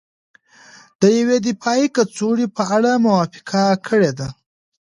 د یوې دفاعي کڅوړې په اړه موافقه کړې ده